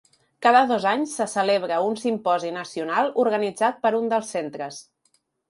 Cada dos anys se celebra un simposi nacional, organitzat per un dels centres.